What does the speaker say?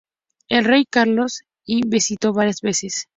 El Rey Carlos I le visitó varias veces.